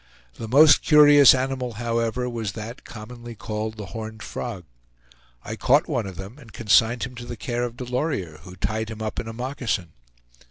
The most curious animal, however, was that commonly called the horned frog. I caught one of them and consigned him to the care of Delorier, who tied him up in a moccasin.